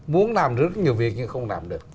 muốn làm rất nhiều việc nhưng không làm được